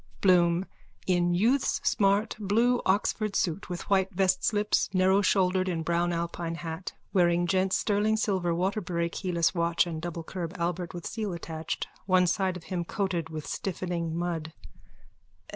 BLOOM: _(In youth's smart blue Oxford suit with white vestslips, narrowshouldered, in brown Alpine hat, wearing gent's sterling silver waterbury keyless watch and double curb Albert with seal attached, one side of him coated with stiffening mud.)